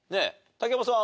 竹山さん